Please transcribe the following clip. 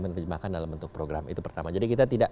menerjemahkan dalam bentuk program itu pertama jadi kita tidak